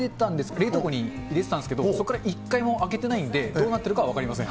冷凍庫に入れてたんですけど、そこから一回も開けてないんで、どうなってるか分かりません。